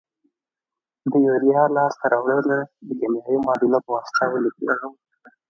د یوریا لاس ته راوړنه د کیمیاوي معادلو په واسطه ولیکئ.